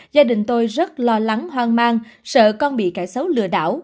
gia đình tôi rất lo lắng hoang mang sợ con bị kẻ xấu lừa đảo